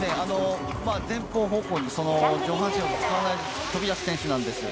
前方方向に上半身を使わないで飛び出す選手なんです。